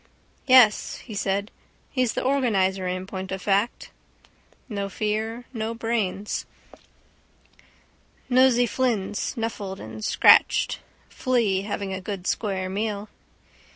—Yes, he said. He's the organiser in point of fact. No fear: no brains. Nosey Flynn snuffled and scratched. Flea having a good square meal.